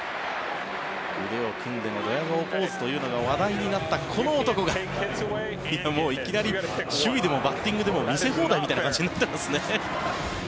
腕を組んでのドヤ顔ポーズが話題になったこの男が、いきなり守備でもバッティングでも見せ放題みたいな感じになっていますね。